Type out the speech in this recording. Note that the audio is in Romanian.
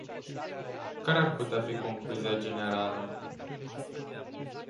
Care ar putea fi concluzia generală?